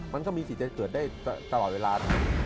มันก็มีสิทธิ์เกิดได้ตลอดเวลา